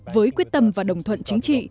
với quyết tâm và đồng thuận chính trị